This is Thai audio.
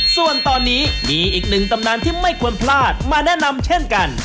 ส่วนตอนนี้มีอีกหนึ่งตำนานที่ไม่ควรพลาดมาแนะนำเช่นกัน